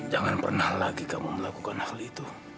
jangan pernah lagi kamu melakukan hal itu